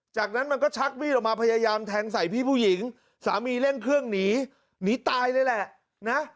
จากนั้นมันก็ชักมีดออกมาพยายามแทงใส่พี่ผู้หญิงสามีเร่งเครื่องหนีหนีตายเลยแหละนะ